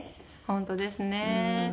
本当ですね。